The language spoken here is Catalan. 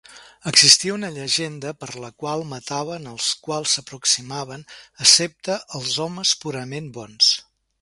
Existia una llegenda per la qual mataven als quals s'aproximaven, excepte als homes purament bons.